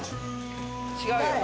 違うよな。